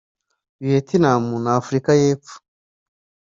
Vietnam na Afurika y’Epfo